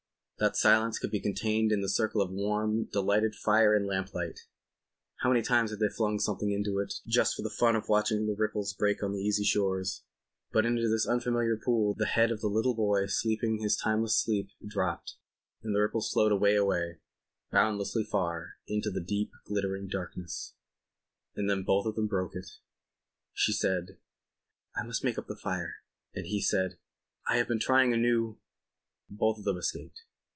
That silence could be contained in the circle of warm, delightful fire and lamplight. How many times hadn't they flung something into it just for the fun of watching the ripples break on the easy shores. But into this unfamiliar pool the head of the little boy sleeping his timeless sleep dropped—and the ripples flowed away, away—boundlessly far—into deep glittering darkness. And then both of them broke it. She said: "I must make up the fire," and he said: "I have been trying a new ..." Both of them escaped.